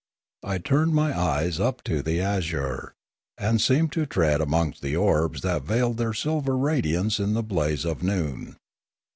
I turned my eyes up to the azure, and seemed to tread amongst the orbs that veiled their silver radiance in the blaze of noon.